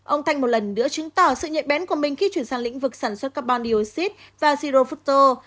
ông thanh một lần nữa chứng tỏ sự nhẹ bén của mình khi chuyển sang lĩnh vực sản xuất carbon dioxide và xyrofructose